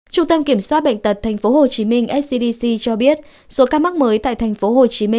trung tâm kiểm soát bệnh tật tp hcm scdc cho biết số ca mắc mới tại tp hcm